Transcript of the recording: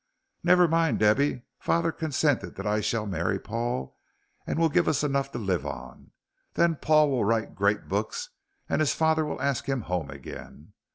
"Never mind, Debby. Father consents that I shall marry Paul, and will give us enough to live on. Then Paul will write great books, and his father will ask him home again.